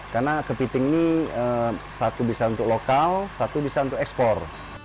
karena kepiting ini satu bisa untuk lokal satu bisa untuk ekspor